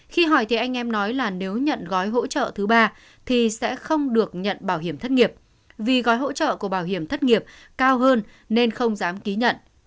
khi hỏi thì anh em nói là nếu nhận gói hỗ trợ thứ ba thì sẽ không được nhận bảo hiểm thất nghiệp vì gói hỗ trợ của bảo hiểm thất nghiệp cao hơn nên không dám ký nhận